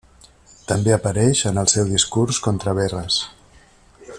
També apareix en el seu discurs contra Verres.